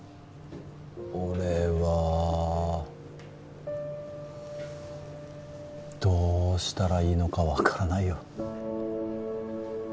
俺はどうしたらいいのか分からないよ